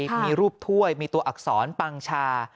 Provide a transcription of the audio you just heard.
มีรูปถ้วยมีตัวอักษรปังชา